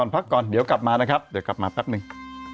พักก่อนเดี๋ยวกลับมานะครับเดี๋ยวกลับมาแป๊บหนึ่ง